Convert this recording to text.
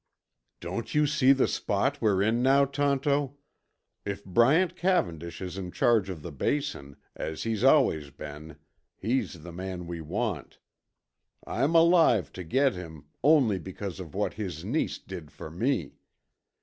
"Don't you see the spot we're in now, Tonto? If Bryant Cavendish is in charge of the Basin, as he's always been, he's the man we want. I'm alive to get him, only because of what his niece did for me.